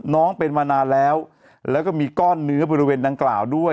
น้องเป็นมานานแล้วแล้วก็มีก้อนเนื้อบริเวณดังกล่าวด้วย